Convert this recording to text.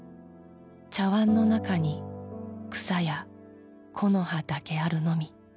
「茶わんの中に草や木の葉だけあるのみ」